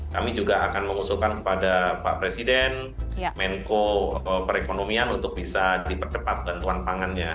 kami juga akan mengusulkan kepada pak presiden menko perekonomian untuk bisa dipercepat bantuan pangannya